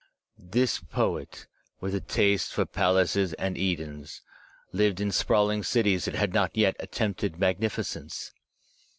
This poet, with a taste for palaces and Edens, lived in sprawling cities that had not yet attempted magnificence.